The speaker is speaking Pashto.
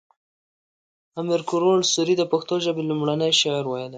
امیر کروړ سوري د پښتو ژبې لومړنی شعر ويلی